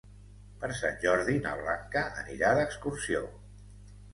Per Sant Jordi na Blanca anirà d'excursió.